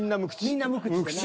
みんな無口でな。